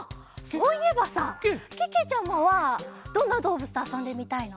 そういえばさけけちゃまはどんなどうぶつとあそんでみたいの？